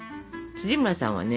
村さんはね